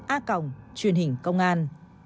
a truyền hình công an